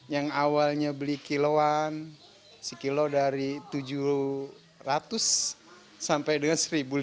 yang awalnya beli kiloan sekilo dari tujuh ratus sampai dengan satu lima ratus